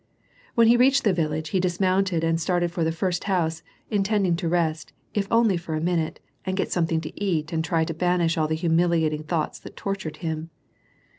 When he reached this village, he dismounted and started for the first house, intending to rest, if only for a minute, and get something to eat and try to banish all the humiliating thoughts that tortured him.